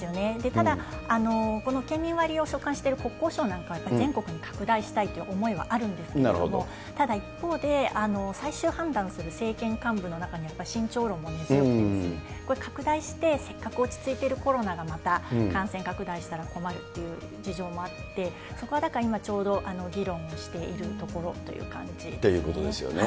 ただ、県民割を所管している国交省なんかは、全国に拡大したいという思いはあるんですけれども、ただ一方で、最終判断する政権幹部の中には、やっぱり慎重論も根強くて、拡大して、せっかく落ち着いているコロナがまた感染拡大したら困るっていう事情もあって、そこはだから今ちょうど議論をしているところという感じですね。